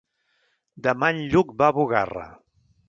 Demà en Lluc va a Bugarra.